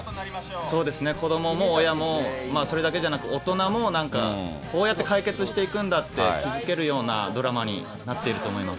そうですね、子どもも親もそれだけじゃなく、大人もなんか、こうやって解決していくんだって、気付けるようなドラマになっていると思います。